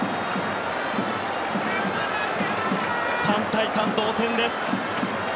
３対３、同点です。